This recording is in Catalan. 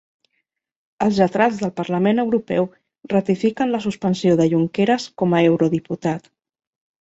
Els lletrats del Parlament Europeu ratifiquen la suspensió de Junqueras com a eurodiputat